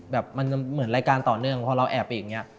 มันจะเหมือนรายการต่อเนื่องพอเราแอบไปอย่างนี้